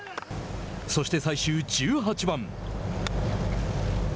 そして最終１８番。